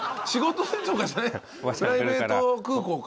プライベート空港か。